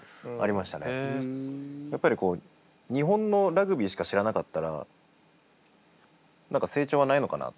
やっぱりこう日本のラグビーしか知らなかったら何か成長がないのかなって。